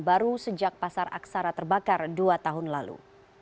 baru sejak pasar aksara terbakar dua tahun lalu